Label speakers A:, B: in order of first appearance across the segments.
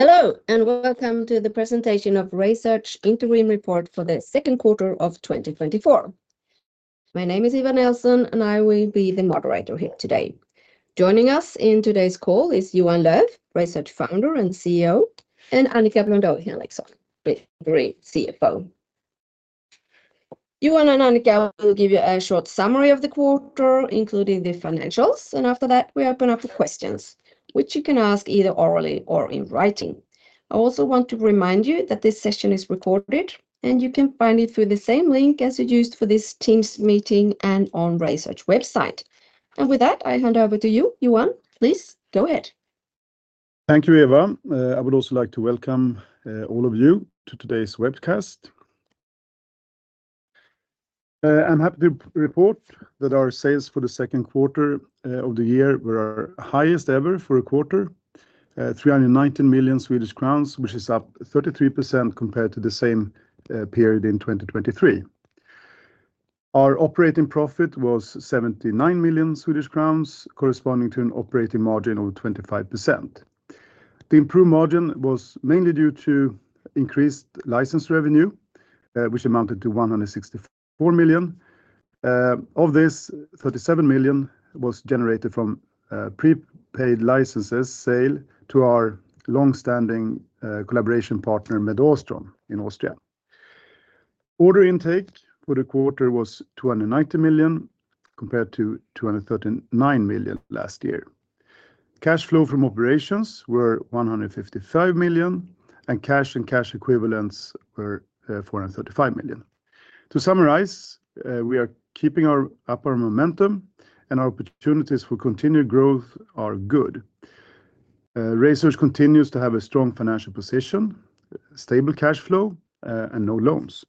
A: Hello, and welcome to the presentation of RaySearch Interim Report for the second quarter of 2024. My name is Eva Nelson, and I will be the moderator here today. Joining us in today's call is Johan Löf, RaySearch Founder and CEO, and Annika Blondeau Henriksson, CFO. Johan and Annika will give you a short summary of the quarter, including the financials, and after that, we open up the questions, which you can ask either orally or in writing. I also want to remind you that this session is recorded, and you can find it through the same link as you used for this Teams meeting and on RaySearch website. And with that, I hand over to you, Johan. Please, go ahead.
B: Thank you, Eva. I would also like to welcome all of you to today's webcast. I'm happy to report that our sales for the second quarter of the year were our highest ever for a quarter, 319 million Swedish crowns, which is up 33% compared to the same period in 2023. Our operating profit was 79 million Swedish crowns, corresponding to an operating margin of 25%. The improved margin was mainly due to increased license revenue, which amounted to 164 million. Of this, 37 million was generated from prepaid licenses sale to our long-standing collaboration partner, MedAustron, in Austria. Order intake for the quarter was 290 million, compared to 239 million last year. Cash flow from operations were 155 million, and cash and cash equivalents were 435 million. To summarize, we are keeping up our momentum, and our opportunities for continued growth are good. RaySearch continues to have a strong financial position, stable cash flow, and no loans.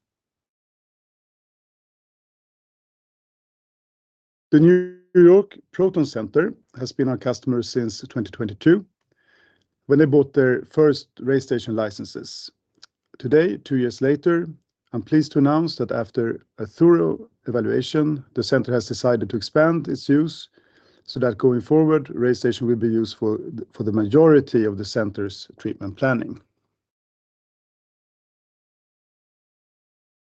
B: The New York Proton Center has been our customer since 2022, when they bought their first RayStation licenses. Today, two years later, I'm pleased to announce that after a thorough evaluation, the center has decided to expand its use, so that going forward, RayStation will be used for the majority of the center's treatment planning.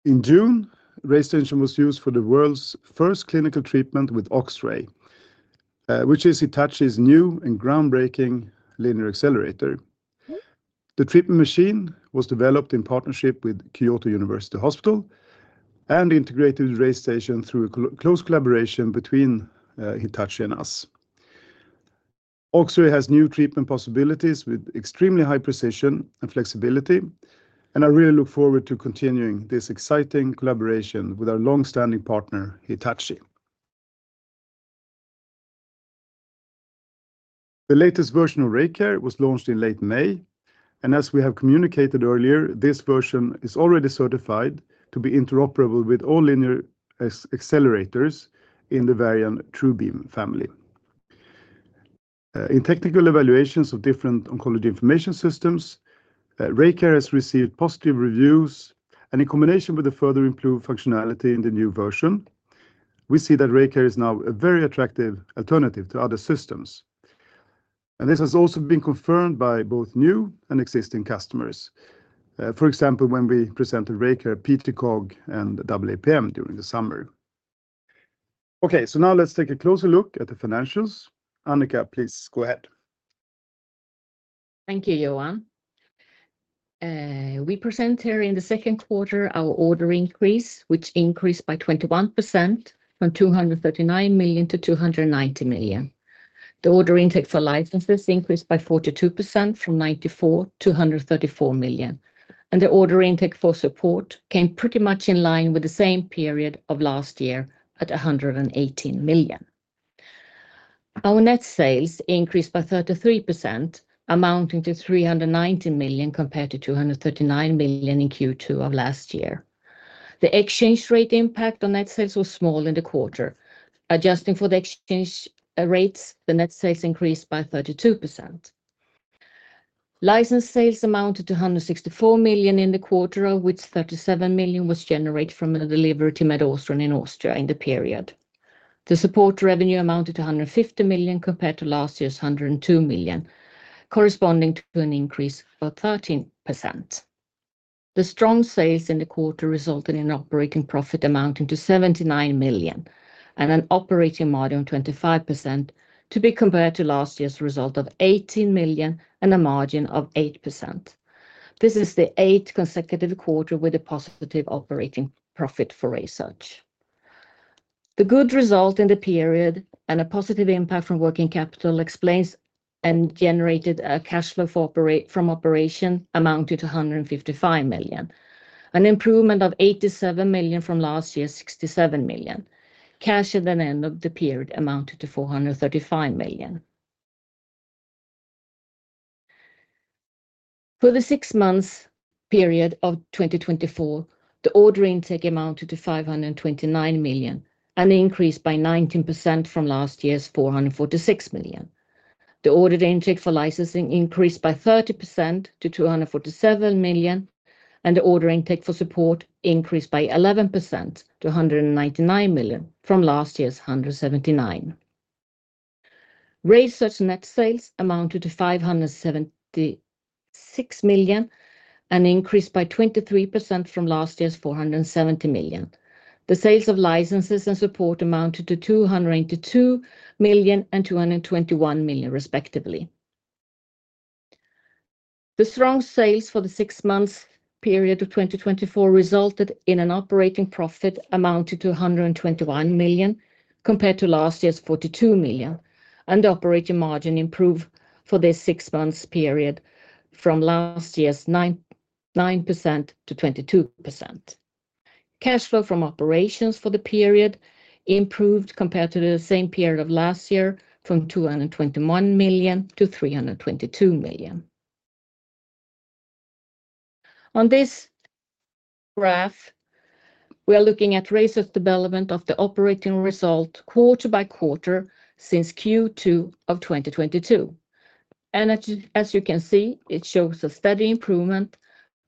B: In June, RayStation was used for the world's first clinical treatment with OXRAY, which is Hitachi's new and groundbreaking linear accelerator. The treatment machine was developed in partnership with Kyoto University Hospital and integrated RayStation through a close collaboration between Hitachi and us. OXRAY has new treatment possibilities with extremely high precision and flexibility, and I really look forward to continuing this exciting collaboration with our long-standing partner, Hitachi. The latest version of RayCare was launched in late May, and as we have communicated earlier, this version is already certified to be interoperable with all linear accelerators in the Varian TrueBeam family. In technical evaluations of different oncology information systems, RayCare has received positive reviews, and in combination with the further improved functionality in the new version, we see that RayCare is now a very attractive alternative to other systems. This has also been confirmed by both new and existing customers, for example, when we presented RayCare, PTCOG and AAPM during the summer. Okay, so now let's take a closer look at the financials. Annika, please go ahead.
C: Thank you, Johan. We present here in the second quarter our order increase, which increased by 21% from 239 million to 290 million. The order intake for licenses increased by 42% from 94 to 134 million, and the order intake for support came pretty much in line with the same period of last year at 118 million. Our net sales increased by 33%, amounting to 390 million compared to 239 million in Q2 of last year. The exchange rate impact on net sales was small in the quarter. Adjusting for the exchange, rates, the net sales increased by 32%. License sales amounted to 164 million in the quarter, of which 37 million was generated from a delivery to MedAustron in Austria in the period. The support revenue amounted to 150 million compared to last year's 102 million, corresponding to an increase of about 13%. The strong sales in the quarter resulted in an operating profit amounting to 79 million and an operating margin of 25%, to be compared to last year's result of 18 million and a margin of 8%. This is the eighth consecutive quarter with a positive operating profit for RaySearch. The good result in the period and a positive impact from working capital explains and generated a cash flow from operations amounted to 155 million, an improvement of 87 million from last year's 67 million. Cash at the end of the period amounted to 435 million. For the six months period of 2024, the order intake amounted to 529 million and increased by 19% from last year's 446 million. The order intake for licensing increased by 30% to 247 million, and the order intake for support increased by 11% to 199 million from last year's 179 million. RaySearch's net sales amounted to 576 million, and increased by 23% from last year's 470 million. The sales of licenses and support amounted to 282 million and 221 million, respectively. The strong sales for the six months period of 2024 resulted in an operating profit amounting to 121 million, compared to last year's 42 million, and operating margin improved for this six months period from last year's 9.9% to 22%. Cash flow from operations for the period improved compared to the same period of last year, from 221 million to 322 million. On this graph, we are looking at RaySearch's development of the operating result, quarter by quarter since Q2 of 2022. And as, as you can see, it shows a steady improvement,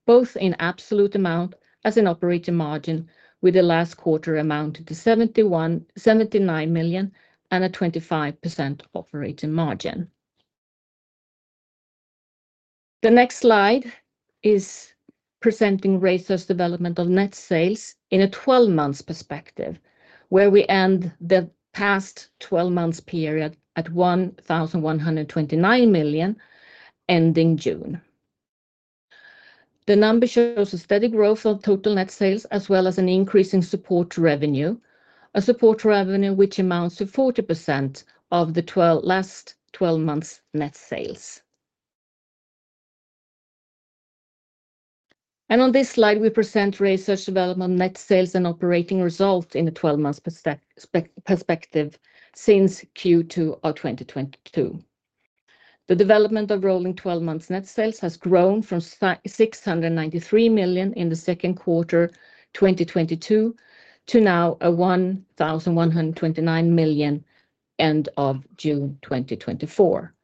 C: both in absolute amount as in operating margin, with the last quarter amounted to 71.79 million and a 25% operating margin. The next slide is presenting RaySearch's development of net sales in a twelve-month perspective, where we end the past twelve months period at 1,129 million, ending June. The number shows a steady growth of total net sales, as well as an increase in support revenue. Support revenue, which amounts to 40% of the last twelve months net sales. On this slide, we present RaySearch's development, net sales, and operating result in a twelve-month perspective since Q2 of 2022. The development of rolling twelve months net sales has grown from 693 million in the second quarter, 2022, to now 1,129 million, end of June 2024.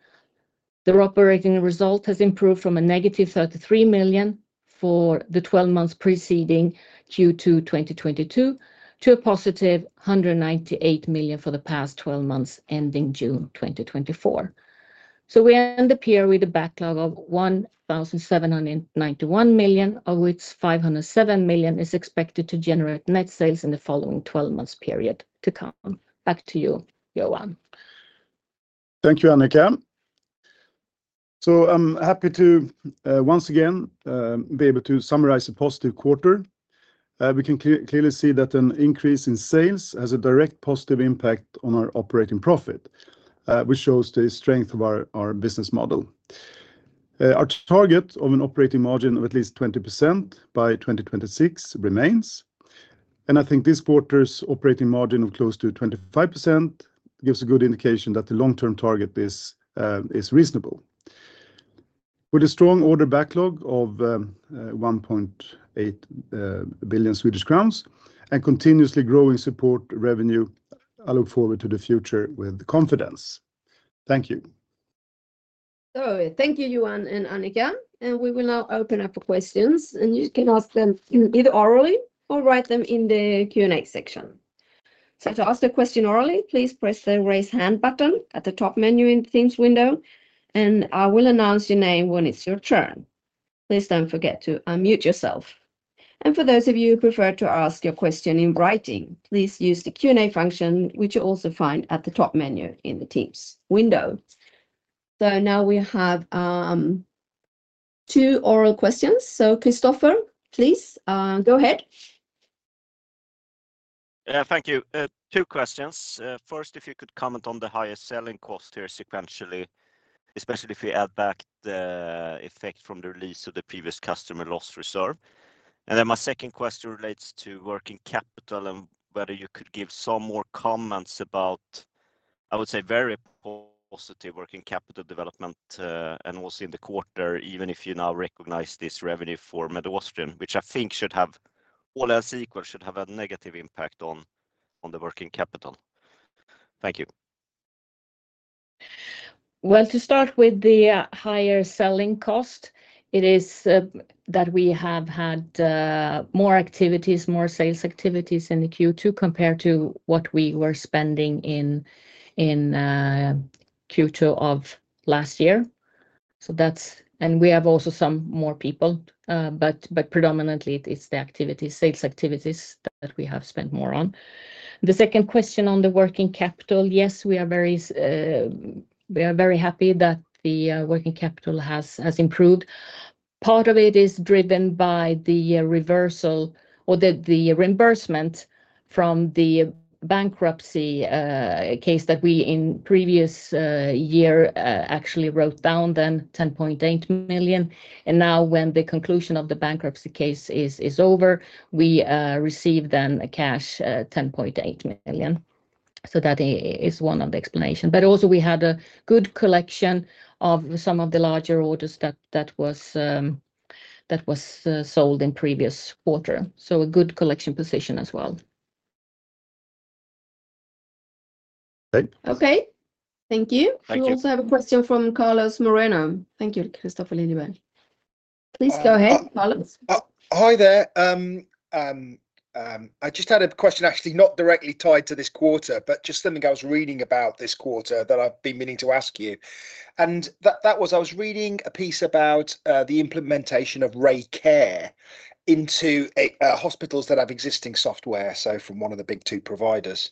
C: The operating result has improved from a negative 33 million for the 12 months preceding Q2 2022, to a positive 198 million for the past 12 months, ending June 2024. So we end the period with a backlog of 1,791 million, of which 507 million is expected to generate net sales in the following 12 months period to come. Back to you, Johan.
B: Thank you, Annika. So I'm happy to once again be able to summarize a positive quarter. We can clearly see that an increase in sales has a direct positive impact on our operating profit, which shows the strength of our business model. Our target of an operating margin of at least 20% by 2026 remains, and I think this quarter's operating margin of close to 25% gives a good indication that the long-term target is reasonable. With a strong order backlog of 1.8 billion Swedish crowns and continuously growing support revenue, I look forward to the future with confidence. Thank you.
A: So thank you, Johan and Annika, and we will now open up for questions, and you can ask them either orally or write them in the Q&A section. So to ask the question orally, please press the Raise Hand button at the top menu in the Teams window, and I will announce your name when it's your turn. Please don't forget to unmute yourself. And for those of you who prefer to ask your question in writing, please use the Q&A function, which you'll also find at the top menu in the Teams window. So now we have two oral questions. So, Christopher, please, go ahead.
D: Yeah, thank you. Two questions. First, if you could comment on the highest selling cost here sequentially, especially if we add back the effect from the release of the previous customer loss reserve. And then my second question relates to working capital and whether you could give some more comments about, I would say, very positive working capital development, and also in the quarter, even if you now recognize this revenue for MedAustron, which I think should have, all else equal, should have a negative impact on, on the working capital. Thank you.
C: Well, to start with the higher selling cost, it is that we have had more activities, more sales activities in the Q2, compared to what we were spending in Q2 of last year. So that's. And we have also some more people, but predominantly, it's the activities, sales activities that we have spent more on. The second question on the working capital, yes, we are very happy that the working capital has improved. Part of it is driven by the reversal or the reimbursement from the bankruptcy case that we in previous year actually wrote down then 10.8 million. And now, when the conclusion of the bankruptcy case is over, we received then a cash 10.8 million. So that is one of the explanation. But also we had a good collection of some of the larger orders that was sold in previous quarter. So a good collection position as well.
D: Thank you.
A: Okay, thank you.
B: Thank you.
A: We also have a question from Carlos Moreno. Thank you, Kristofer Liljeberg.... Please go ahead, Carlos.
E: Hi there. I just had a question actually not directly tied to this quarter, but just something I was reading about this quarter that I've been meaning to ask you, and that was, I was reading a piece about the implementation of RayCare into hospitals that have existing software, so from one of the big two providers.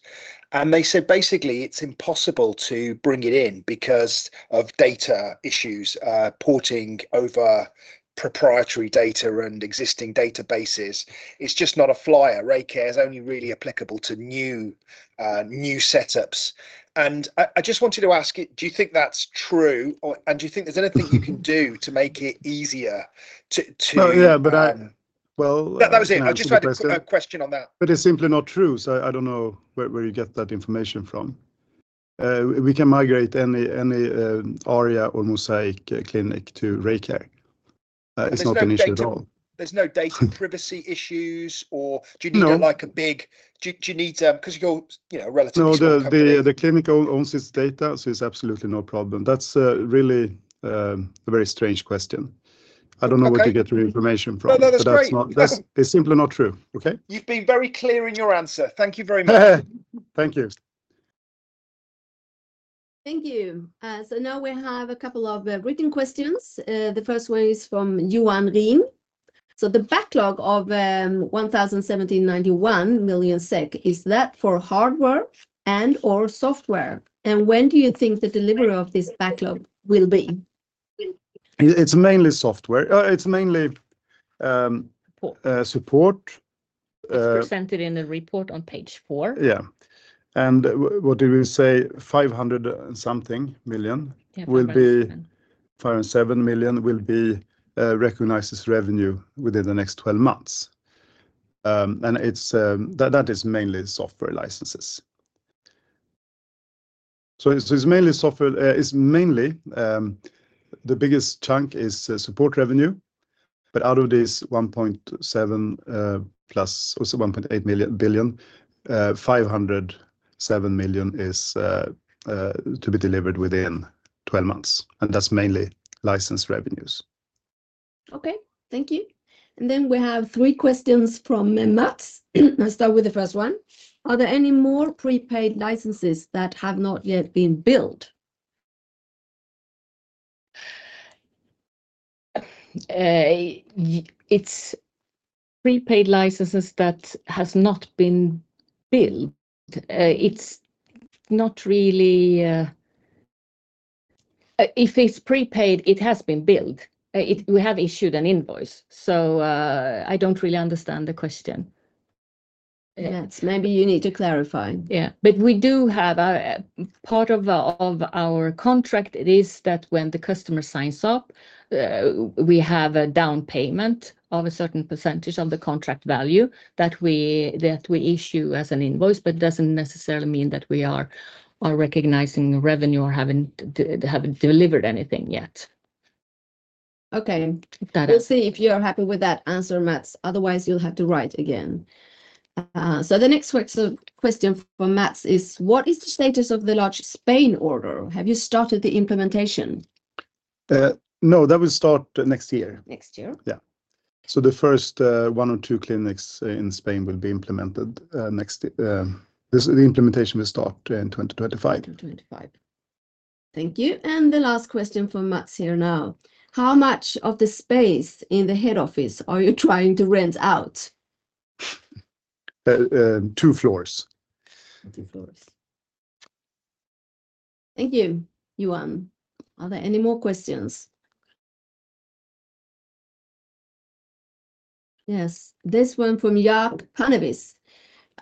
E: And they said, basically, it's impossible to bring it in because of data issues, porting over proprietary data and existing databases. It's just not viable. RayCare is only really applicable to new setups. And I just wanted to ask you, do you think that's true? Or do you think there's anything you can do to make it easier to-
B: Oh, yeah, but I, well-
E: That was it.
B: Can I ask a question?
E: I just had a quick question on that.
B: But it's simply not true, so I don't know where you get that information from. We can migrate any ARIA or MOSAIQ clinic to RayCare. It's not an issue at all.
E: There's no data privacy issues or-
B: No.
E: Do you need like a big...? Do you need 'cause you're, you know, a relatively small company?
B: No, the clinic owns its data, so it's absolutely no problem. That's really a very strange question.
E: Okay.
B: I don't know where you get your information from.
E: No, no, that's great.
B: But that's not, it's simply not true. Okay?
E: You've been very clear in your answer. Thank you very much.
B: Thank you.
A: Thank you. So now we have a couple of written questions. The first one is from Johan Rim. "So the backlog of 1,017.91 million SEK, is that for hardware and/or software? And when do you think the delivery of this backlog will be?
B: It's mainly software. It's mainly...
A: Support...
B: support
A: It's presented in the report on page four.
B: Yeah. And what do we say? 500-something million-
A: Yeah, 507.
B: Five and seven million will be recognized as revenue within the next 12 months. It's mainly software licenses. It's mainly, the biggest chunk is support revenue, but out of this 1.7 billion, plus or so, 1.8 billion, 507 million is to be delivered within 12 months, and that's mainly license revenues.
A: Okay, thank you. And then we have three questions from Mats. I'll start with the first one. "Are there any more prepaid licenses that have not yet been billed?
C: It's prepaid licenses that has not been billed? It's not really. If it's prepaid, it has been billed. It, we have issued an invoice, so, I don't really understand the question.
A: Yes, maybe you need to clarify.
C: Yeah. But we do have a part of our contract is that when the customer signs up, we have a down payment of a certain percentage on the contract value that we issue as an invoice, but doesn't necessarily mean that we are recognizing revenue or haven't delivered anything yet.
A: Okay.
C: That is-
A: We'll see if you're happy with that answer, Mats. Otherwise, you'll have to write again. So the next question from Mats is: "What is the status of the large Spain order? Have you started the implementation?
B: No, that will start next year.
A: Next year?
B: Yeah. So the first one or two clinics in Spain will be implemented next. This, the implementation will start in 2025.
A: 2025. Thank you, and the last question from Mats here now: "How much of the space in the head office are you trying to rent out?
B: Two floors.
A: Two floors. Thank you, Johan. Are there any more questions? Yes, this one from Jaap Pannevis.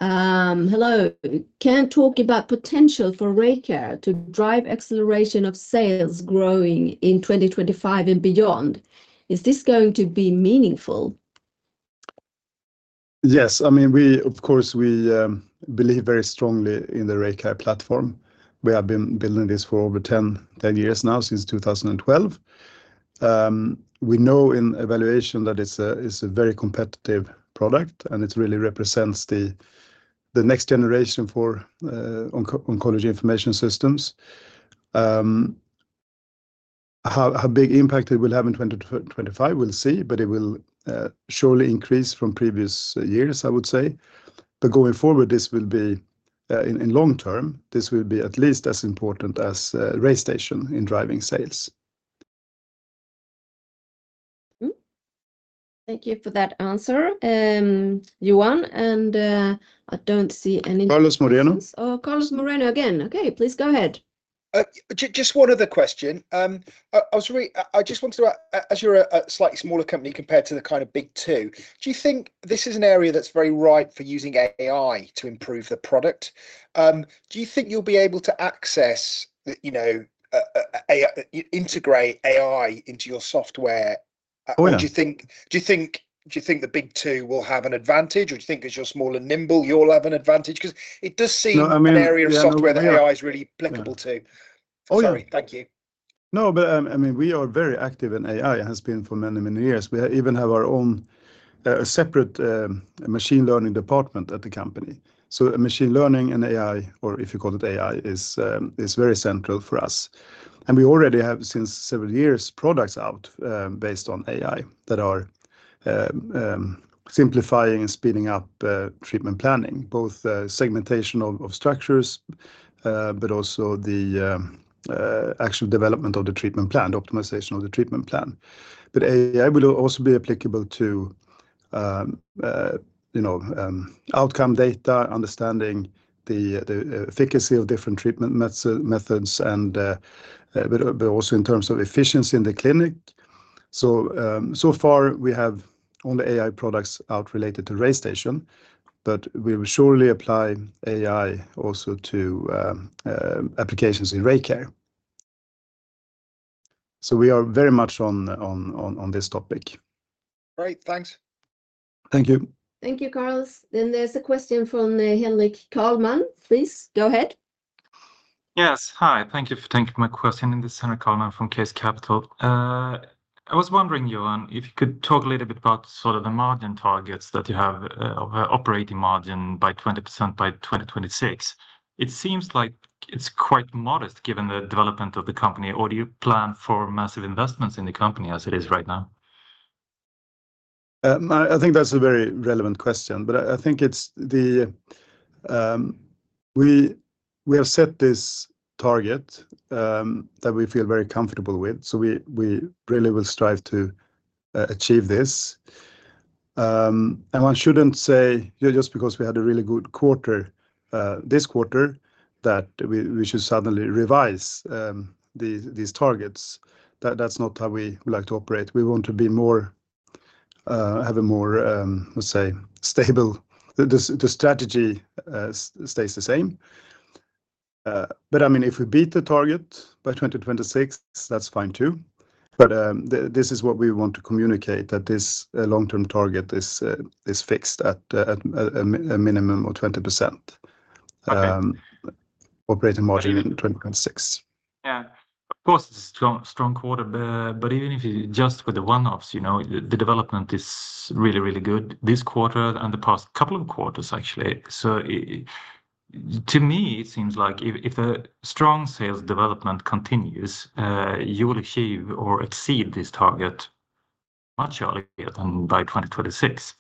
A: "Hello. Can you talk about potential for RayCare to drive acceleration of sales growing in 2025 and beyond? Is this going to be meaningful?
B: Yes. I mean, we, of course, we, believe very strongly in the RayCare platform. We have been building this for over 10, 10 years now, since 2012. We know in evaluation that it's a, it's a very competitive product, and it really represents the, the next generation for, oncology information systems. How, how big impact it will have in 2025, we'll see, but it will, surely increase from previous years, I would say. But going forward, this will be, in, in long term, this will be at least as important as, RayStation in driving sales.
A: Thank you for that answer, Johan, and I don't see any-
B: Carlos Moreno.
A: Oh, Carlos Moreno again. Okay, please go ahead.
E: Just one other question. I just wanted to ask as you're a slightly smaller company compared to the kind of big two, do you think this is an area that's very right for using AI to improve the product? Do you think you'll be able to access, you know, AI... Integrate AI into your software?
B: Oh, yeah.
E: Do you think the big two will have an advantage, or do you think as you're smaller and nimble, you'll have an advantage? 'Cause it does seem-
B: No, I mean-...
E: an area of software that AI is really applicable to.
B: Oh, yeah.
E: Sorry, thank you.
B: No, but I mean, we are very active in AI, has been for many, many years. We even have our own separate machine learning department at the company. So machine learning and AI, or if you call it AI, is very central for us. And we already have, since several years, products out based on AI that are simplifying and speeding up treatment planning, both segmentation of structures, but also the actual development of the treatment plan, the optimization of the treatment plan. But AI will also be applicable to you know, outcome data, understanding the efficacy of different treatment methods, and but also in terms of efficiency in the clinic. So far we have only AI products out related to RayStation, but we will surely apply AI also to applications in RayCare. We are very much on this topic.
E: Great. Thanks.
B: Thank you.
A: Thank you, Carlos. Then there's a question from Henrik Carlman. Please, go ahead.
F: Yes. Hi, thank you for taking my question. This is Henrik Carlman from KS Capital. I was wondering, Johan, if you could talk a little bit about sort of the margin targets that you have of operating margin by 20% by 2026. It seems like it's quite modest, given the development of the company, or do you plan for massive investments in the company as it is right now?
B: I think that's a very relevant question, but I think it's that we have set this target that we feel very comfortable with, so we really will strive to achieve this. One shouldn't say just because we had a really good quarter this quarter that we should suddenly revise these targets. That's not how we like to operate. We want to be more, have a more, let's say, stable. The strategy stays the same. But, I mean, if we beat the target by 2026, that's fine, too. But this is what we want to communicate, that this long-term target is fixed at a minimum of 20%.
F: Okay.
B: Operating margin in 2026.
F: Yeah. Of course, it's a strong, strong quarter, but even if you adjust for the one-offs, you know, the development is really, really good this quarter and the past couple of quarters, actually. So to me, it seems like if a strong sales development continues, you will achieve or exceed this target much earlier than by 2026,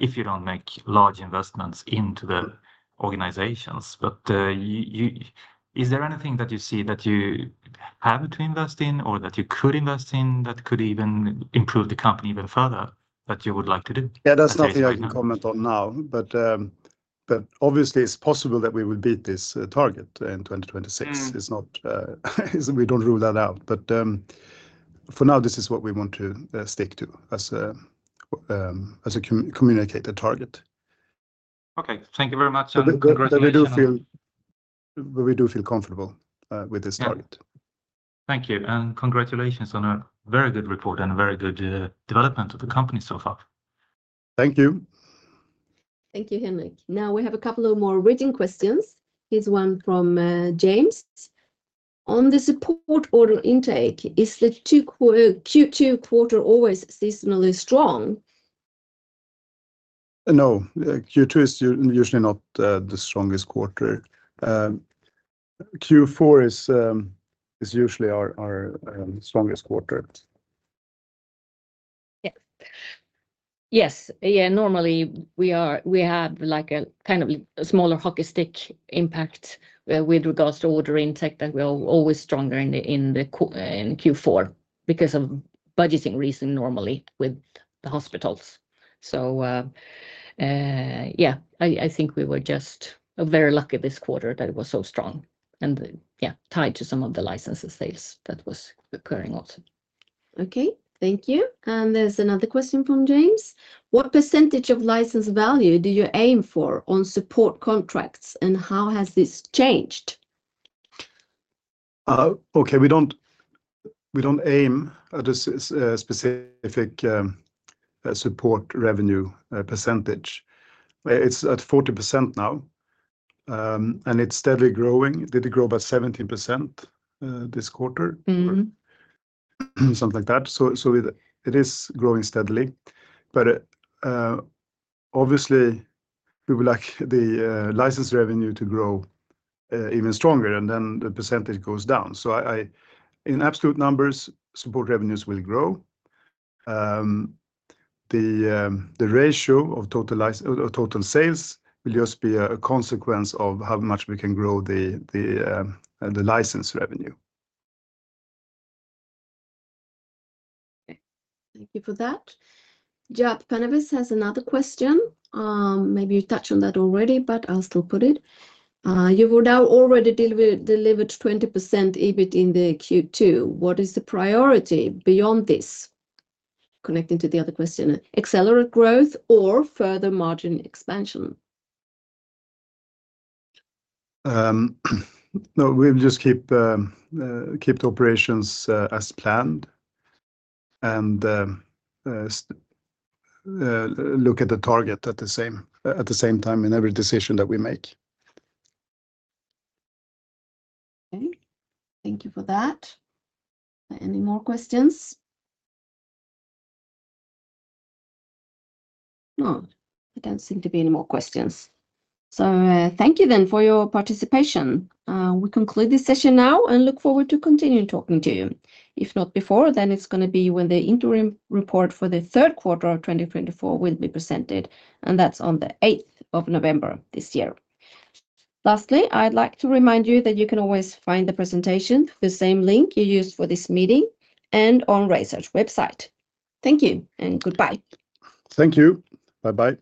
F: if you don't make large investments into the organizations. But, is there anything that you see that you have to invest in or that you could invest in that could even improve the company even further, that you would like to do?
B: Yeah, that's nothing I can comment on now, but, but obviously, it's possible that we will beat this target in 2026.
F: Mm.
B: It's not, we don't rule that out. But, for now, this is what we want to stick to as a, as a communicate the target.
F: Okay. Thank you very much, and congratulations on-
B: We do feel, we do feel comfortable with this target.
F: Yeah. Thank you, and congratulations on a very good report and a very good development of the company so far.
B: Thank you.
A: Thank you, Henrik. Now, we have a couple of more written questions. Here's one from James: "On the support order intake, is the Q2 quarter always seasonally strong?
B: No, Q2 is usually not the strongest quarter. Q4 is usually our strongest quarter.
C: Yes. Yes, yeah, normally we have like a kind of smaller hockey stick impact with regards to order intake, that we're always stronger in the Q4, because of budgeting reason, normally, with the hospitals. So, yeah, I think we were just very lucky this quarter that it was so strong and, yeah, tied to some of the licenses sales that was occurring also.
A: Okay, thank you. There's another question from James: "What percentage of license value do you aim for on support contracts, and how has this changed?
B: Okay, we don't aim at a specific support revenue percentage. It's at 40% now, and it's steadily growing. Did it grow by 17% this quarter?
A: Mm-hmm.
B: Something like that. So it is growing steadily. But obviously, we would like the license revenue to grow even stronger, and then the percentage goes down. So, in absolute numbers, support revenues will grow. The ratio of total sales will just be a consequence of how much we can grow the license revenue.
A: Okay. Thank you for that. Jaap Pannevis has another question. Maybe you touched on that already, but I'll still put it. "You have now already delivered 20% EBIT in the Q2. What is the priority beyond this?" Connecting to the other question. "Accelerate growth or further margin expansion?
B: No, we'll just keep the operations as planned and look at the target at the same, at the same time in every decision that we make.
A: Okay. Thank you for that. Any more questions? No, there don't seem to be any more questions. So, thank you then for your participation. We conclude this session now and look forward to continuing talking to you. If not before, then it's gonna be when the interim report for the third quarter of 2024 will be presented, and that's on the eighth of November this year. Lastly, I'd like to remind you that you can always find the presentation, the same link you used for this meeting, and on RaySearch website. Thank you, and goodbye.
B: Thank you. Bye-bye.